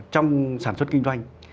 trong sản xuất kinh doanh